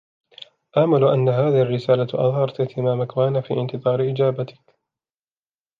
آمل أن هذه الرسالة أثارت اهتمامك و أنا في انتظار إجابتك.